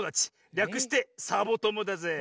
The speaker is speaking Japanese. りゃくしてサボともだぜぇ。